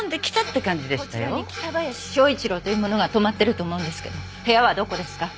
こちらに北林昭一郎という者が泊まってると思うんですけど部屋はどこですか？